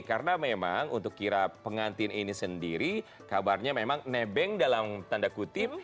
karena memang untuk kirap pengantin ini sendiri kabarnya memang nebeng dalam tanda kutip